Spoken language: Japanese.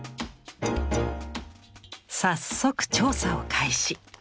早速調査を開始。